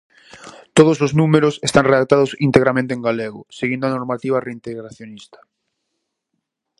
Todos os números están redactados integramente en galego seguindo a normativa reintegracionista.